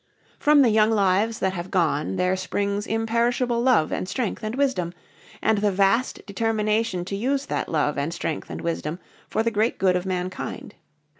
From the young lives that have gone there springs imperishable love and strength and wisdom and the vast determination to use that love and strength and wisdom for the great good of mankind.